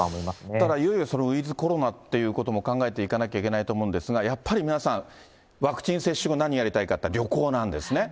ただいよいよウィズコロナということも考えていかなきゃいけないと思うんですが、やっぱり皆さん、ワクチン接種後、何やりたいかっていったら旅行なんですね。